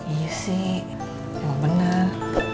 iya sih emang bener